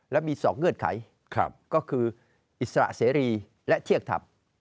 และมีสองเงื่อนไขก็คืออิสระเสรีและเที่ยงธรรม